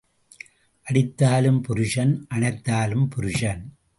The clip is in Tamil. அடித்தாலும் புருஷன், அணைத்தாலும் புருஷன்.